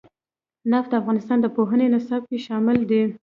نفت د افغانستان د پوهنې نصاب کې شامل دي.